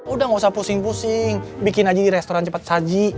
udah gak usah pusing pusing bikin aja di restoran cepat saji